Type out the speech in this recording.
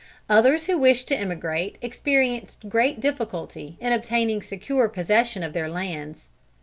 Others who wished to emigrate, experienced great difficulty in obtaining secure possession of their lands.